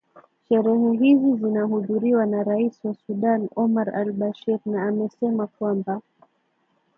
sherehe hizi zinahudhuriwa na rais wa sudan omar al bashir na amesema kwamba